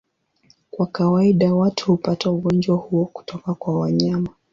Kwa kawaida watu hupata ugonjwa huo kutoka kwa wanyama.